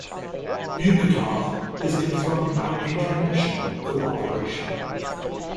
Buketov is confirmed by international cooperation.